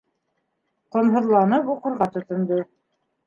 Ҡомһоҙланып уҡырға тотондо.